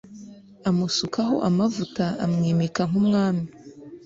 amusukaho amavuta amwimika nku umwami